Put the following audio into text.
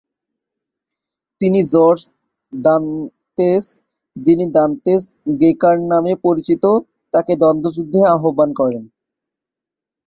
তিনি George Dantes, যিনি Dantes Heeckeren নামেও পরিচিত, তাকে দ্বন্দ্বযুদ্ধে আহ্বান করেন।